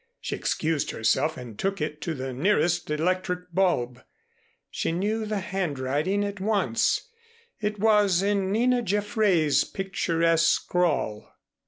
She excused herself and took it to the nearest electric bulb. She knew the handwriting at once. It was in Nina Jaffray's picturesque scrawl.